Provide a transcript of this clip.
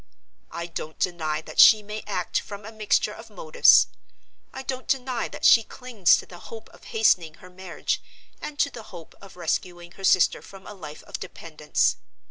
I don't deny that she may act from a mixture of motives. I don't deny that she clings to the hope of hastening her marriage, and to the hope of rescuing her sister from a life of dependence.